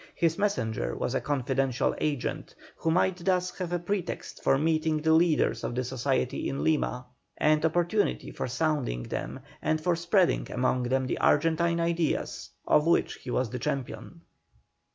His messenger was a confidential agent, who might thus have a pretext for meeting the leaders of society in Lima, and opportunity for sounding them, and for spreading among them the Argentine ideas of which he was the champion.